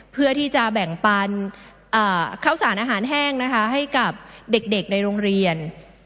เพื่อที่จะแบ่งปันข้าวสารอาหารแห้งนะคะให้กับเด็กในโรงเรียน